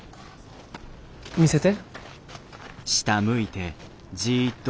見せて。